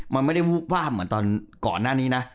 มันไม่ได้วูบวาบเหมือนตอนก่อนหน้านี้นะ